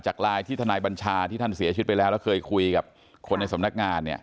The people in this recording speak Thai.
ไลน์ที่ทนายบัญชาที่ท่านเสียชีวิตไปแล้วแล้วเคยคุยกับคนในสำนักงานเนี่ย